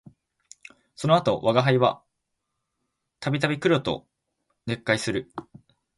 その後吾輩は度々黒と邂逅する